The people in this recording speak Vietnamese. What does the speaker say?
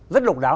rất độc đáo